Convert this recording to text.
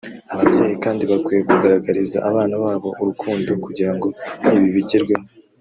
Ababyeyi kandi bakwiye kugaragariza abana babo urukundo kugira ngo ibi bigerweho